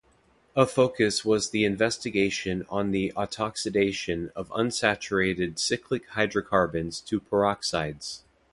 A focus was the investigation on the Autoxidation of unsaturated cyclic Hydrocarbons to Peroxides.